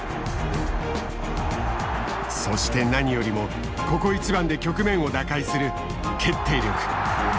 そして何よりもここ一番で局面を打開する「決定力」。